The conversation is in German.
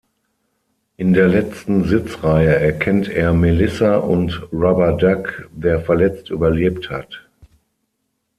In der letzten Sitzreihe erkennt er "Melissa" und "Rubber Duck", der verletzt überlebt hat.